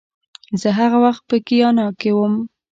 زه هغه وخت په ګیانا کې وم